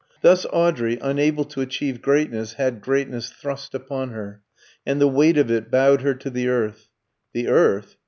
Thus Audrey, unable to achieve greatness, had greatness thrust upon her; and the weight of it bowed her to the earth. The earth?